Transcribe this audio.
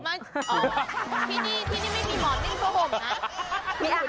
อ๋อที่นี่ไม่มีหมอนไม่มีผ้าห่มนะ